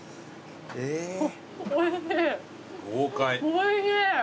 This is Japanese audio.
おいしい！